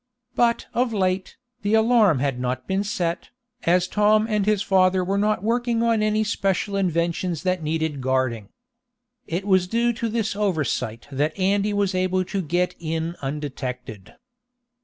But of late, the alarm had not been set, as Tom and his father were not working on any special inventions that needed guarding. It was due to this oversight that Andy was able to get in undetected.